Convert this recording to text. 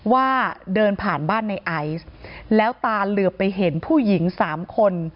ว่าเดินผ่านบ้านในไอซ์แล้วตาเหลือไปเห็นผู้หญิงสามคน